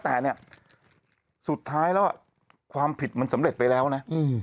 แต่เนี่ยสุดท้ายแล้วความผิดมันสำเร็จไปแล้วนะ